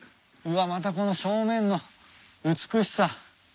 うわまたこの正面の美しさ。